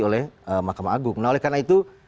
oleh mahkamah agung nah oleh karena itu